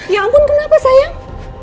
ya ampun kenapa sayang